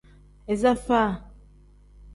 Iza faa.